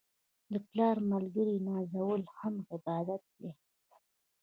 د پلار ملګري نازول هم عبادت دی.